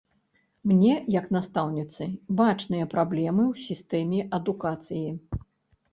Мне, як настаўніцы, бачныя праблемы ў сістэме адукацыі.